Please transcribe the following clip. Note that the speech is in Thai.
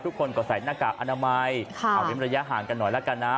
ทุกคนก็ใส่หน้ากากอนามัยเอาเว้นระยะห่างกันหน่อยแล้วกันนะ